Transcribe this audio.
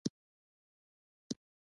ناجو ولې په ژمي کې شنه وي؟